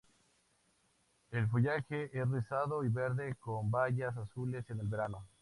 El follaje es rizado y verde con bayas azules en el verano.